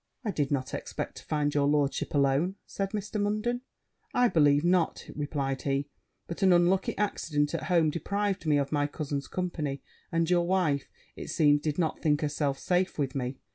'I did not expect to find your lordship alone,' said Mr. Munden. 'I believe not,' replied he: 'but an unlucky accident at home deprived me of my cousin's company; and your wife, it seems, did not think herself safe with me.'